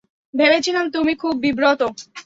ভেবেছিলাম তুমি খুব বিব্রত।